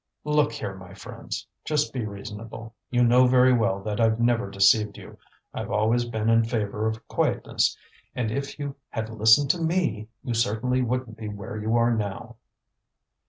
"Look here, my friends, just be reasonable. You know very well that I've never deceived you. I've always been in favour of quietness, and if you had listened to me, you certainly wouldn't be where you are now."